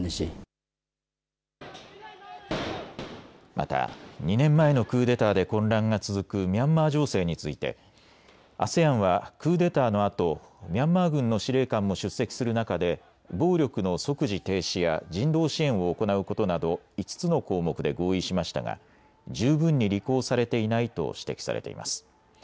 また２年前のクーデターで混乱が続くミャンマー情勢についてＡＳＥＡＮはクーデターのあとミャンマー軍の司令官も出席する中で暴力の即時停止や人道支援を行うことなど５つの項目で合意しましたが十分に履行されていないと指摘されています。